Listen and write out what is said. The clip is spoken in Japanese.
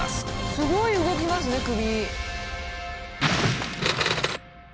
すごい動きますね首。